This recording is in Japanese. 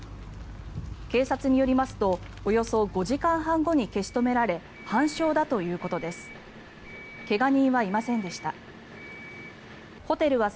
警察によりますとおよそ５時間半後に消し止められ半焼だということです。